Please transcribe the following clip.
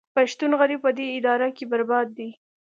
پښتون غریب په دې اداره کې برباد دی